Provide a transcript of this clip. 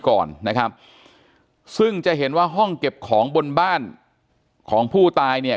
ก่อนนะครับซึ่งจะเห็นว่าห้องเก็บของบนบ้านของผู้ตายเนี่ย